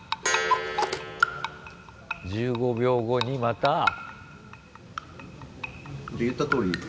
１５秒後にまた？